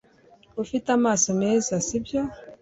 Ufite amaso meza sibyo